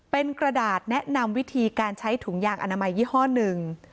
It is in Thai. เป็นกระดาษแนะนำวิธีการใช้ถุงยางอนามัยยี่ห้อหนึ่ง